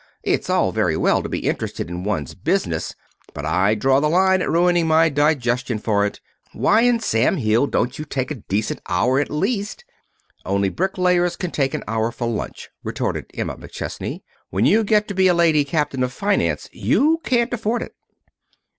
It's all very well to be interested in one's business, but I draw the line at ruining my digestion for it. Why in Sam Hill don't you take a decent hour at least?" "Only bricklayers can take an hour for lunch," retorted Emma McChesney. "When you get to be a lady captain of finance you can't afford it."